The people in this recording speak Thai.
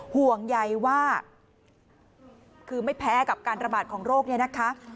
ห่วงใยว่าคือไม่แพ้กับการระบาดของโรคเนี่ยนะคะ